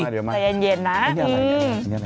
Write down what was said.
เดี๋ยวมาใจเย็นนะ